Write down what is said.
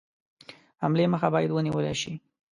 حملې مخه باید ونیوله شي.